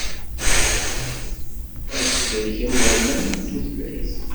Asefrek awurman n tutlayt.